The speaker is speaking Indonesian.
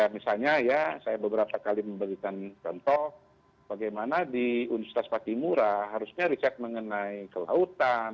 misalnya ya saya beberapa kali memberikan contoh bagaimana di universitas patimura harusnya riset mengenai kelautan